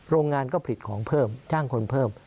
โรงงานก็ผลิตของเพิ่มจ้างคนเพิ่ม